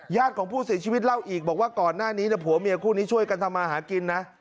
ของผู้เสียชีวิตเล่าอีกบอกว่าก่อนหน้านี้ผัวเมียคู่นี้ช่วยกันทำมาหากินนะ